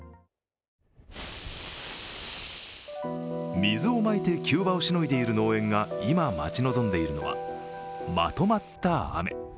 水をまいて急場をしのいでいる農園が今、待ち望んでいるのはまとまった雨。